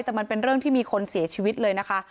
แต่มันเป็นเรื่องที่มีคนเสียชีวิตเลยนะคะ